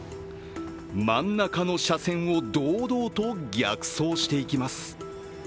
真ん中の車線を堂々と逆走していきます。